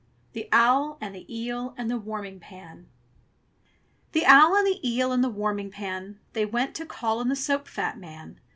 THE OWL AND THE EEL AND THE WARMING PAN The owl and the eel and the warming pan, They went to call on the soap fat man.